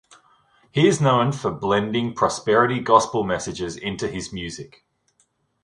He is known for blending prosperity gospel messages into his music.